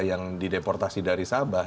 yang dideportasi dari sabah